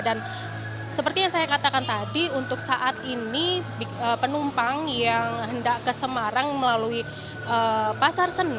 dan seperti yang saya katakan tadi untuk saat ini penumpang yang hendak ke semarang melalui pasar senen